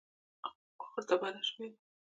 خوا ورته بده شوې ده.